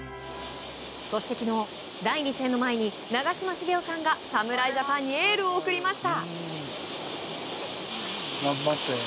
そして昨日、第２戦の前に長嶋茂雄さんが侍ジャパンにエールを送りました。